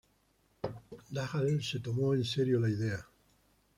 Dahl se tomó en serio la idea.